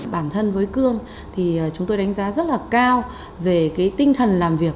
bản thân với cương thì chúng tôi đánh giá rất là cao về cái tinh thần làm việc